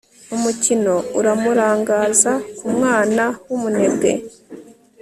umukino, uramurangaza, kumwana wumunebwe